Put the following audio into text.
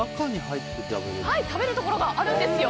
食べるところがあるんですよ。